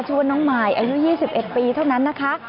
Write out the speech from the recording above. ชื่อว่าน้องมายอายุ๒๑ปีเท่านั้นนะคะ